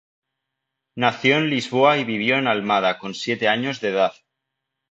Nació en Lisboa y vivió en Almada con siete años de edad.